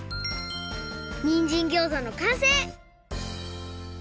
にんじんギョーザのかんせい！